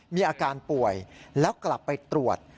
มีอาการป่วยแล้วกลับไปตรวจ